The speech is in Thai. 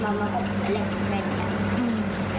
บ้านเสร็จแล้วข้าวผมไว้เอามันไว้ด้วย